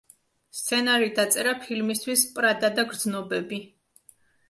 სცენარი დაწერა ფილმისთვის „პრადა და გრძნობები“.